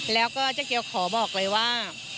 แล้วก็เจ๊เกียวขอบอกเลยว่า